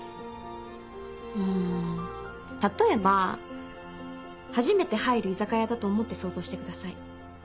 うん例えば初めて入る居酒屋だと思って想像してください。